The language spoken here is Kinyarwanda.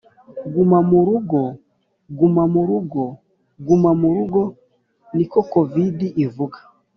Guma mu rugo guma mu rugo guma mu rugo niko kovide ivuga